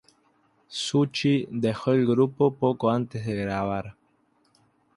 Zucchi dejó el grupo poco antes de grabar.